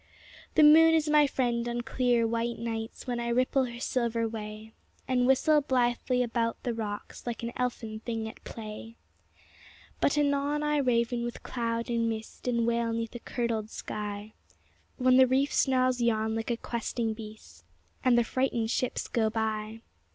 The moon is my friend on clear, white nights When I ripple her silver way. And whistle blithely about the rocks Like an elfin thing at play; But anon I ravin with cloud and mist And wail 'neath a curdled sky, When the reef snarls yon like a questing beast. And the frightened ships go by.